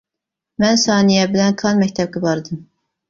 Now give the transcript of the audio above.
مەن سانىيە بىلەن كان مەكتەپكە باردىم.